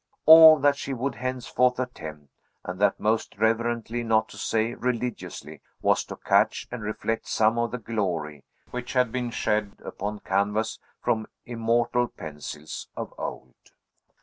All that she would henceforth attempt and that most reverently, not to say religiously was to catch and reflect some of the glory which had been shed upon canvas from the immortal pencils of old.